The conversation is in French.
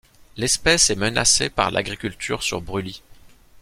L'espèce est menacée par l'agriculture sur brûlis.